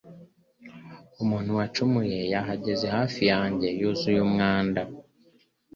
umuntu wacumuye yahagaze hafi yanjye yuzuye umwanda